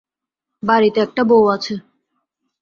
বাড়িতে একটা বৌ আছে।